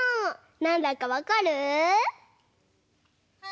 なんだかわかる？